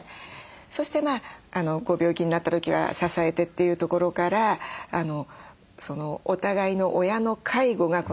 そしてご病気になった時は支えてというところからお互いの親の介護が４人のっていうのがね